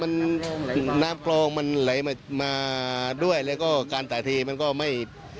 พื้นที่ตรงนั้นคือน้ำโครงมันไหลมาด้วยแล้วก็การตาทีมันก็ไม่ถดวก